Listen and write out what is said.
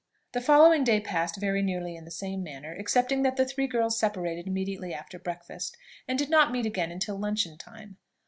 The following day passed very nearly in the same manner, excepting that the three girls separated immediately after breakfast, and did not meet again till luncheon time.